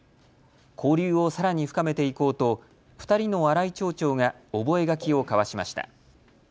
交流をさらに深めていこうと２人の新井町長が覚書を交わしました。